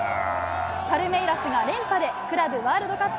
パルメイラスが連覇でクラブワールドカップ